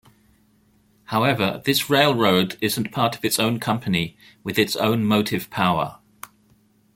However, this railroad isn't part of its own company with its own motive power.